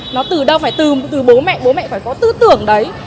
nó từ đâu phải từ bố mẹ bố mẹ phải có tư tưởng đấy